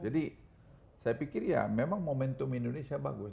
jadi saya pikir ya memang momentum indonesia bagus